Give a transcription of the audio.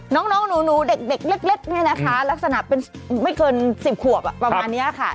น้องหนูเด็กเล็กเนี่ยนะคะลักษณะเป็นไม่เกิน๑๐ขวบประมาณนี้ค่ะ